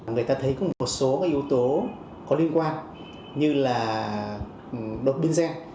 người ta thấy có một số yếu tố có liên quan như là đột biến gen